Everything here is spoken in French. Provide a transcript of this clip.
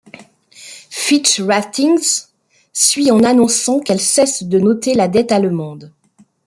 Fitch Ratings suit en annonçant qu’elle cesse de noter la dette allemande.